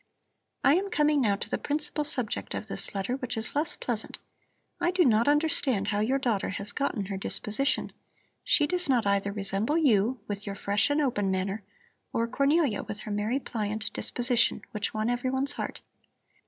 I am coming now to the principal subject of this letter, which is less pleasant. I do not understand how your daughter has gotten her disposition. She does not either resemble you, with your fresh and open manner, or Cornelia, with her merry, pliant disposition, which won every one's heart.